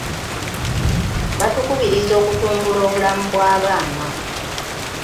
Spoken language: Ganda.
Batukubiriza okutumbula obulamu bw'abaana.